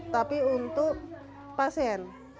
tapi untuk pasien